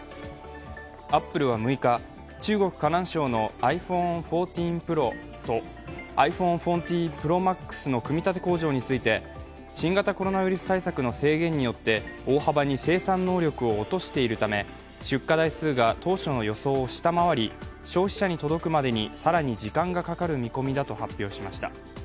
アップルは６日、中国・河南省のｉＰｈｏｎｅ１４ＰｒｏとｉＰｈｏｎｅ１４ＰｒｏＭａｘの組み立て工場について、新型コロナウイルス対策の制限によって、大幅に生産能力を落としているため出荷台数が当初の予想を下回り消費者に届くまでに更に時間がかかる見込みだと発表しました。